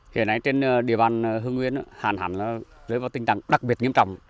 hiện nay trên địa bàn hương nguyên hàn hẳn rơi vào tình trạng đặc biệt nghiêm trọng